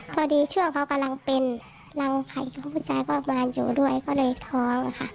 พอดีช่วงเค้ากำลังเป็นรังไขของผู้ชายก็มาอยู่ด้วยก็เลยท้องละค่ะ